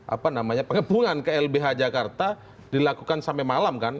apa namanya pengepungan ke lbh jakarta dilakukan sampai malam kan